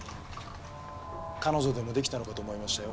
彼女でもできたのかと思いましたよ。